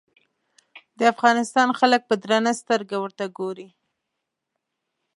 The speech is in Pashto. د افغانستان خلک په درنه سترګه ورته ګوري.